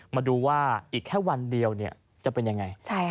มาดูว่าอีกแค่วันเดียวจะเป็นยังไง